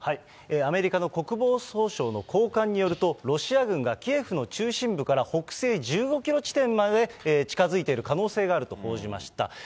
アメリカの国防総省の高官によると、ロシア軍がキエフの中心部から北西１５キロ地点まで近づいてる可能性があると報じました。